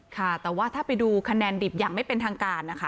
ค่ะแต่ว่าถ้าไปดูคะแนนดิบอย่างไม่เป็นทางการนะคะ